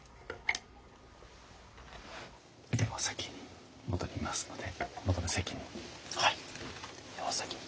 ではお先に戻りますのでもとの席に。